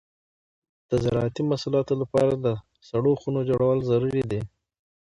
د زراعتي محصولاتو لپاره د سړو خونو جوړول ضروري دي.